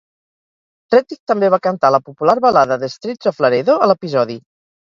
Rettig també va cantar la popular balada "The Streets of Laredo" a l'episodi.